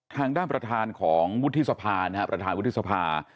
ทางด้านประธานของวุฒิสภานะครับประธานวุฒิสภา